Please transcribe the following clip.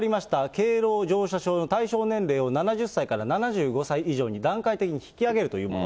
敬老乗車証の対象年齢を、７０歳から７５歳以上に段階的に引き上げるというもの。